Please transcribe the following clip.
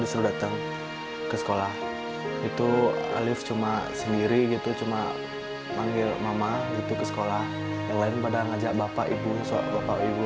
saya terpaksa mengajak bapak ibu soal bapak ibu